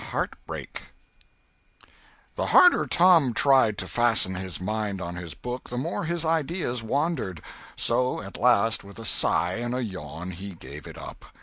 CHAPTER VII THE harder Tom tried to fasten his mind on his book, the more his ideas wandered. So at last, with a sigh and a yawn, he gave it up.